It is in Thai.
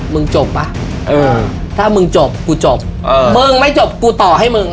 มึงจบป่ะเออถ้ามึงจบกูจบเออมึงไม่จบกูต่อให้มึง